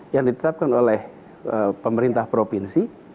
yang ditetapkan oleh pemerintah provinsi